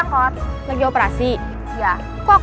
namanya suhaim vinta